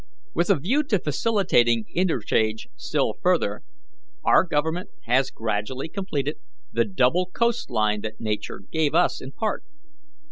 "With a view to facilitating interchange still further, our Government has gradually completed the double coast line that Nature gave us in part.